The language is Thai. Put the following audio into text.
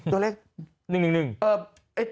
ตัวเลข๑๑๑